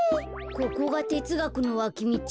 ここがてつがくのわきみち？